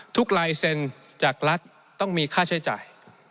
ลายเซ็นต์จากรัฐต้องมีค่าใช้จ่าย